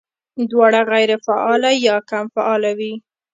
دواړه غېر فعاله يا کم فعاله وي